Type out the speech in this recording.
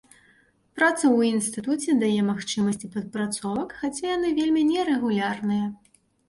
Праца ў інстытуце дае магчымасці падпрацовак, хаця яны вельмі нерэгулярныя.